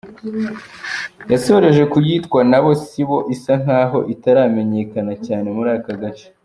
Yasoreje ku yitwa ’Nabo sibo’, isa nk’aho itaramenyekana cyane muri aka gace.